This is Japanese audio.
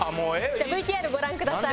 ＶＴＲご覧ください。